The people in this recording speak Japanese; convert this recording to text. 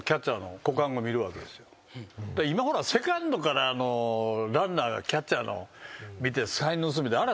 今ほらセカンドからランナーがキャッチャーの見てサイン盗みってあれは。